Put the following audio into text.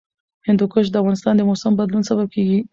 هندوکش د افغانستان د موسم د بدلون سبب کېږي.